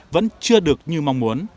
vẫn chưa được như mong muốn